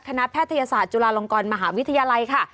แพทยศาสตร์จุฬาลงกรมหาวิทยาลัยค่ะ